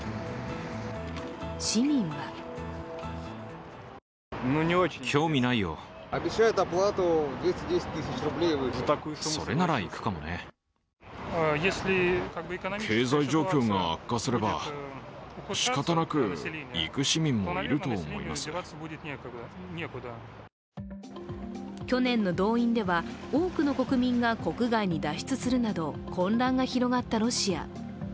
市民は去年の動員では多くの国民が国外に脱出するなど混乱が広がったロシア。